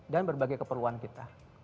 dan berbagai keperluan kita